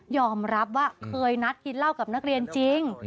อมรับว่าเคยนัดกินเหล้ากับนักเรียนจริง